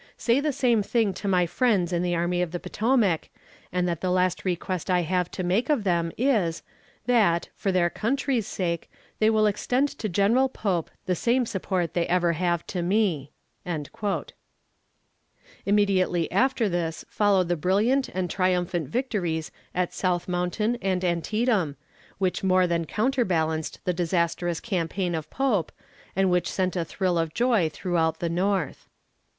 Say the same thing to my friends in the Army of the Potomac, and that the last request I have to make of them is, that, for their country's sake, they will extend to General Pope the same support they ever have to me." Immediately after this followed the brilliant and triumphant victories at South Mountain and Antietam, which more than counterbalanced the disastrous campaign of Pope, and which sent a thrill of joy throughout the North.